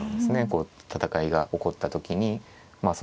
こう戦いが起こった時にまあ